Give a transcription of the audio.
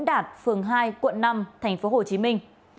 vẫn đạt phường hai quận năm tp hồ chí minh